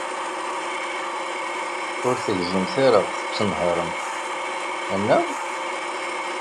Ur tezgimt ara tettenhaṛemt, anaɣ?